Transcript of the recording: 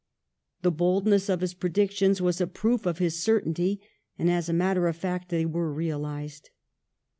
The boldness of his predictions was a proof of his certainty, and as a matter of fact they were realised.